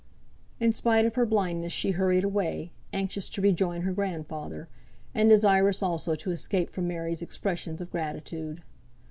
In spite of her blindness she hurried away, anxious to rejoin her grandfather, and desirous also to escape from Mary's expressions of gratitude.